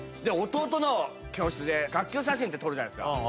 で弟の教室で学級写真って撮るじゃないですか。